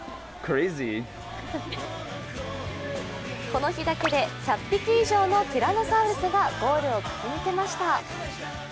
この日だけで１００匹以上のティラノサウルスがゴールを駆け抜けました。